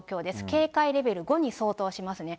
警戒レベル５に相当しますね。